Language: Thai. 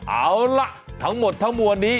เอาล่ะทั้งหมดทั้งมวลนี้